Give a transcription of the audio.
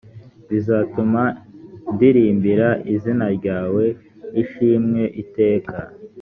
bizatuma ndirimbira izina ryawe ishimwe iteka